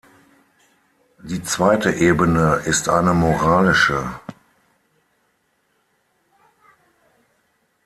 Die zweite Ebene ist eine moralische.